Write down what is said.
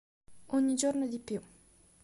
Ogni giorno di più